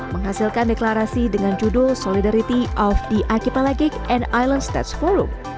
menghasilkan deklarasi dengan judul solidarity of the archipalagic and island states forum